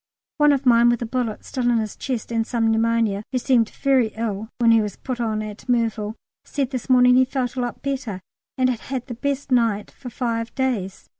One of mine with a bullet still in his chest, and some pneumonia, who seemed very ill when he was put on at Merville, said this morning he felt a lot better and had had the best night for five days!